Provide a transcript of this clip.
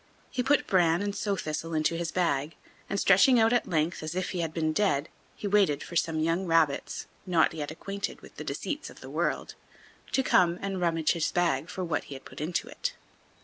He put bran and sow thistle into his bag, and stretching out at length, as if he had been dead, he waited for some young rabbits, not yet acquainted with the deceits of the world, to come and rummage his bag for what he had put into it.